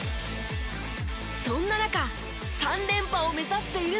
そんな中３連覇を目指しているのが。